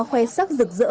khoe sắc rực rỡ